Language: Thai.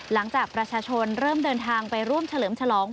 หลังจากประชาชนเริ่มเดินทางไปร่วมเฉลิมฉลอง